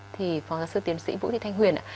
thì phó giáo sư tiến sĩ vũ thị thanh huyền ạ